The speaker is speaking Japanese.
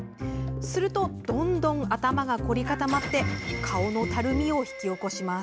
すると、どんどん頭が凝り固まって顔のたるみを引き起こします。